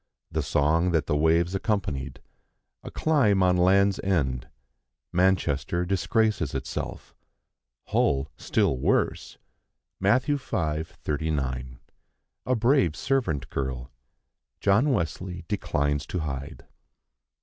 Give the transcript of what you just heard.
The song that the waves accompanied. A climb on Land's End. Manchester disgraces itself. Hull still worse. Matt. v. 39. A brave servant girl. John Wesley declines to hide.